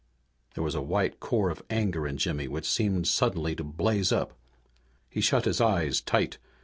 There was a white core of anger in Jimmy which seemed suddenly to blaze up. He shut his eyes tight.